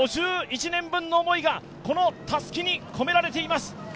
５１年分の思いが、このたすきに込められています。